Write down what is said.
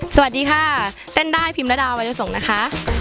สวัสดีค่ะเส้นด้ายพิมพ์และดาววัยส่งนะคะ